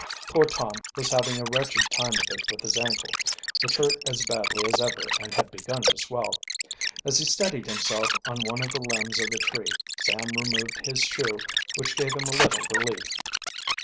Poor Torn was having a wretched time of it with his ankle, which hurt as badly as ever and had begun to swell. As he steadied himself on one of the limbs of the tree Sam removed his shoe, which gave him a little relief.